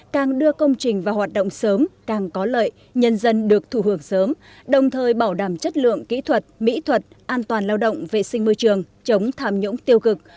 càng đưa công trình vào hoạt động sớm càng có lợi nhân dân được thù hưởng sớm đồng thời bảo đảm chất lượng kỹ thuật mỹ thuật an toàn lao động vệ sinh môi trường chống thảm nhũng tiêu cực